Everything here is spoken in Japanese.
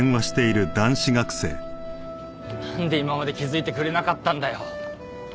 なんで今まで気づいてくれなかったんだよ。